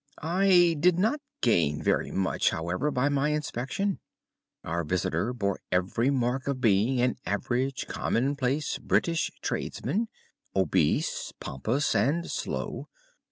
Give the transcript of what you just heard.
I did not gain very much, however, by my inspection. Our visitor bore every mark of being an average commonplace British tradesman, obese, pompous, and slow.